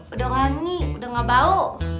udah nyanyi udah gak bau